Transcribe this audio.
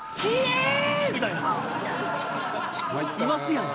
みたいないますやん？